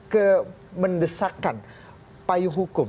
kemendesakan payuh hukum